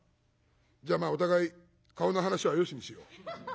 じゃあまあお互い顔の話はよしにしよう。